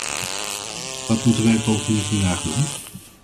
Wat moeten wij bovendien vandaag doen?